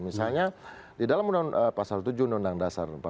misalnya di dalam undang undang pasar tujuh undang dasar